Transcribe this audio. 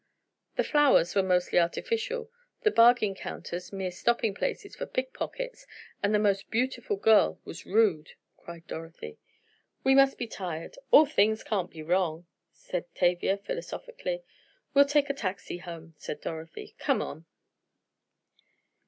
"The flowers were mostly artificial, the bargain counters mere stopping places for pickpockets, and the most beautiful girl was rude!" cried Dorothy. "We must be tired; all things can't be wrong," said Tavia, philosophically. "We'll take a taxi home," said Dorothy, "Come on."